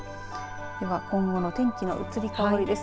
では今後の天気の移り変わりです。